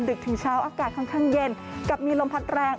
ถึงเช้าอากาศค่อนข้างเย็นกับมีลมพัดแรง